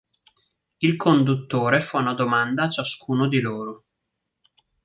Il conduttore fa una domanda a ciascuno di loro.